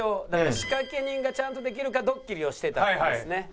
「仕掛け人がちゃんとできるかドッキリ」をしてたんですね。